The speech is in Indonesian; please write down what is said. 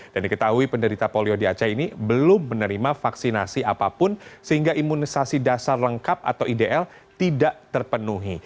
dan diketahui penderita polio di aceh ini belum menerima vaksinasi apapun sehingga imunisasi dasar lengkap atau idl tidak terpenuhi